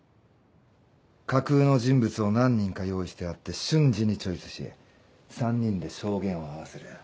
架空の人物を何人か用意してあって瞬時にチョイスし３人で証言を合わせる。